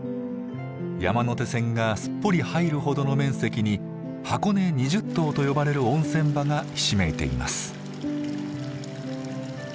山手線がすっぽり入るほどの面積に箱根２０湯と呼ばれる温泉場がひしめいています。